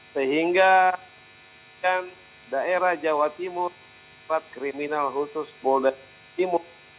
sehingga daerah jawa timur kriminal khusus pondah timur